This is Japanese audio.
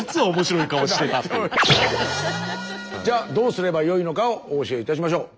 じゃあどうすればよいのかをお教えいたしましょう。